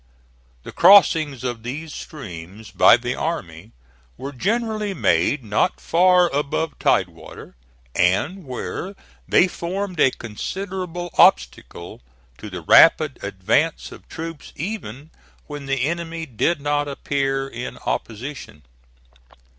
The crossings of these streams by the army were generally made not far above tide water, and where they formed a considerable obstacle to the rapid advance of troops even when the enemy did not appear in opposition.